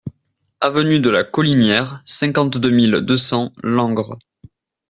Avenue de la Collinière, cinquante-deux mille deux cents Langres